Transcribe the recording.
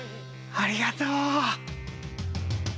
ありがとう！